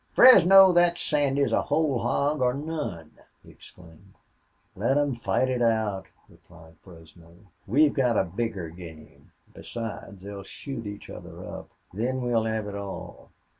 "Fresno, thet Sandy is whole hog or none!" he exclaimed. "Let 'em fight it out," replied Fresno. "We've got a bigger game.... Besides, they'll shoot each other up. Then we'll hev it all.